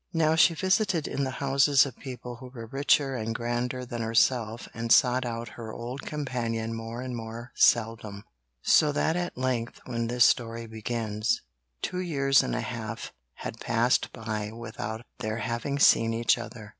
Now she visited in the houses of people who were richer and grander than herself and sought out her old companion more and more seldom, so that at length when this story begins, two years and a half had passed by without their having seen each other.